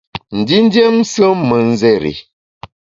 Ndindiem nsùen me nzéri i.